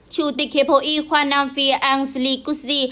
chủ tịch hiệp hội y khoa nam phi ang lee kutsi